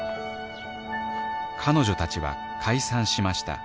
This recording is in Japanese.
彼女たちは解散しました。